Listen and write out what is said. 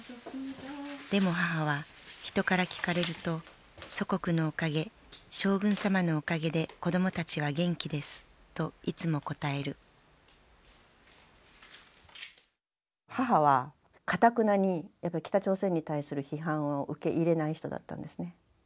でも母は人から聞かれると祖国のおかげ将軍様のおかげで子どもたちは元気ですといつも答える母はかたくなに北朝鮮に対する批判を受け入れない人だったんですね。